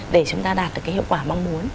để chúng ta đạt được cái hiệu quả mong muốn